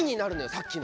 さっきの。